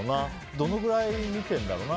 どのぐらい見てるんだろうな。